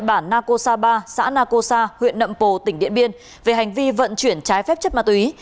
bản naco sa ba xã naco sa huyện nậm pồ tỉnh điện biên về hành vi vận chuyển trái phép chất ma túy